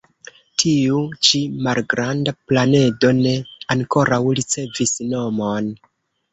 Tiu-ĉi malgranda planedo ne ankoraŭ ricevis nomon.